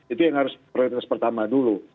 itu yang harus prioritas pertama dulu